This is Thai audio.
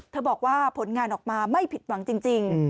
บอกว่าผลงานออกมาไม่ผิดหวังจริง